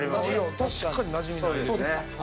確かになじみないです。